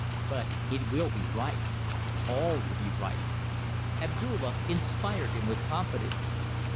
But it will be right. All will be right. Abdulla inspired him with confidence.